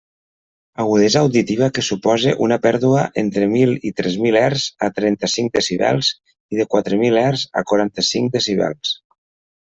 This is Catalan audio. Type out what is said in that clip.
Agudesa auditiva que supose una pèrdua entre mil i tres mil hertzs a trenta-cinc decibels o de quatre mil hertzs a quaranta-cinc decibels.